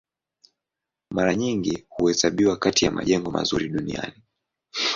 Mara nyingi huhesabiwa kati ya majengo mazuri duniani.